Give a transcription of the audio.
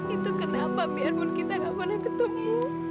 itu kenapa biarpun kita gak pernah ketemu